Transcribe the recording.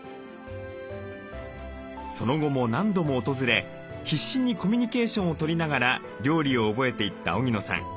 その後も何度も訪れ必死にコミュニケーションをとりながら料理を覚えていった荻野さん。